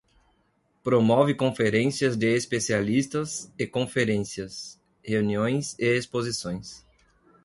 Promove conferências de especialistas e conferências, reuniões e exposições.